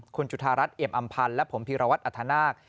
คุณจุธารัฐเอี่ยมอำพันธ์และผมพีรวัตรอัธนาค